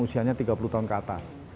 usianya tiga puluh tahun ke atas